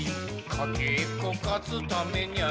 かけっこかつためにゃ」